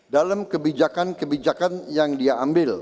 dalam kebijakan kebijakan yang dia ambil